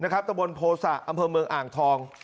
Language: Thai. ตะบนโภษะอำเภอเมืองอ่างทอง